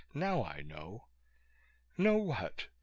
"Now I know!" "Know what?